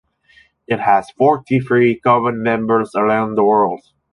It has forty three common members around the world.